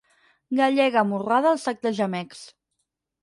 Gallega amorrada al sac de gemecs.